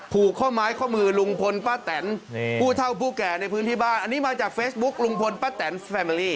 ผูกข้อไม้ข้อมือลุงพลป้าแตนผู้เท่าผู้แก่ในพื้นที่บ้านอันนี้มาจากเฟซบุ๊คลุงพลป้าแตนแฟเมอรี่